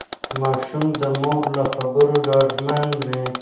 ماشوم د مور له خبرو ډاډمن وي.